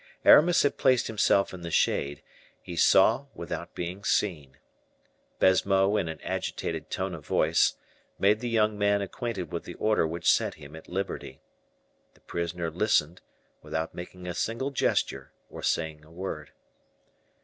Aramis had placed himself in the shade; he saw without being seen. Baisemeaux, in an agitated tone of voice, made the young man acquainted with the order which set him at liberty. The prisoner listened, without making a single gesture or saying a word.